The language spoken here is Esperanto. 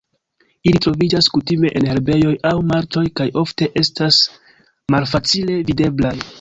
Ili troviĝas kutime en herbejoj aŭ marĉoj kaj ofte estas malfacile videblaj.